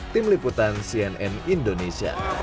tim liputan cnn indonesia